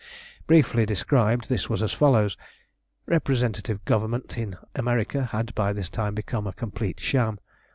Briefly described, this was as follows: Representative government in America had by this time become a complete sham.